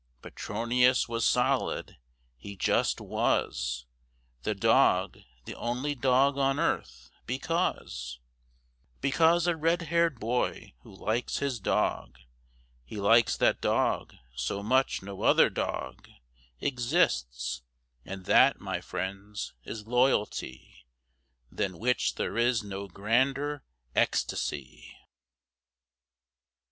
Petronius was solid; he just was The dog, the only dog on earth, because Because a red haired boy who likes his dog, He likes that dog so much no other dog Exists and that, my friends, is loyalty, Than which there is no grander ecstasy.